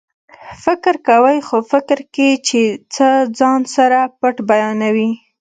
فکر کوئ خو فکر کې چې څه ځان سره پټ بیانوي